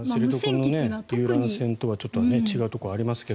知床の遊覧船とは違うところもありますが。